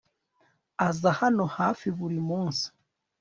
Aza hano hafi buri munsi